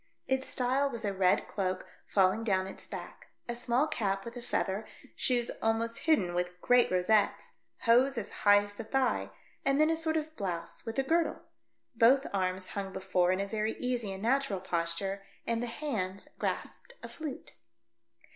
Its style was a red cloak falling down its back, a small cap with a feather, shoes almost hidden with great rosettes, hose as high as the thigh, and then a sort of blouse with a girdle. Both arms hung before in a very easy and natural posture and the hands grasped a flute.